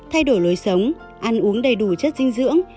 thay đổi lối sống ăn uống đầy đủ chất dinh dưỡng